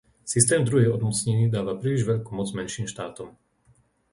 Systém druhej odmocniny dáva príliš veľkú moc menším štátom.